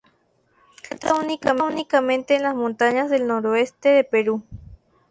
Se encuentra únicamente en las montañas del noroeste de Perú.